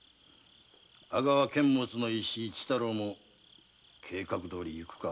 阿川監物の一子市太郎も計画どおりいくか？